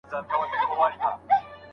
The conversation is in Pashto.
شجاع